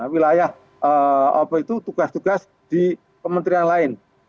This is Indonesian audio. wilayah apa itu tugas tugas di kementerian lain